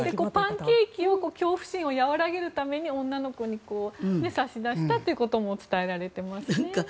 パンケーキを恐怖心を和らげるために女の子に差し出したということも伝えられてますね。